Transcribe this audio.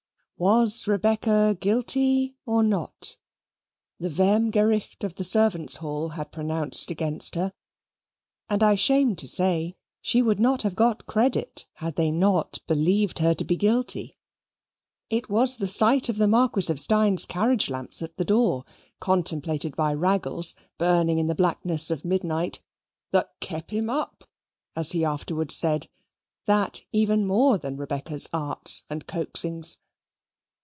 "Was Rebecca guilty or not?" the Vehmgericht of the servants' hall had pronounced against her. And, I shame to say, she would not have got credit had they not believed her to be guilty. It was the sight of the Marquis of Steyne's carriage lamps at her door, contemplated by Raggles, burning in the blackness of midnight, "that kep him up," as he afterwards said, that even more than Rebecca's arts and coaxings.